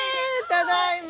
ただいま。